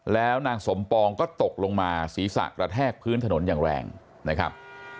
แล้วนางสมปองก็ตกลงมาศีรษะกระแทกพื้นถนนอย่างแรงนะครับ